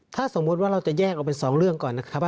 ถ้าสมมุติว่าเราจะแยกออกเป็น๒เรื่องก่อนนะครับ